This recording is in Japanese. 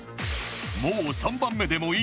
もう３番目でもいい